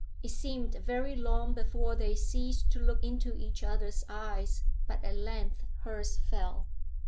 It seemed very long before they ceased to look into each other's eyes, but at length hers fell.